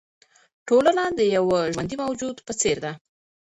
ټولنه د یوه ژوندي موجود په څېر ده.